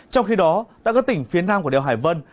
trong khi đó tại các tỉnh phía nam của đèo hải vân